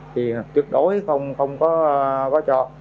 thì trực đối không có cho